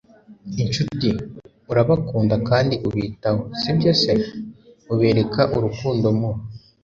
inshuti. urabakunda kandi ubitaho, si byo se? ubereka urukundo mu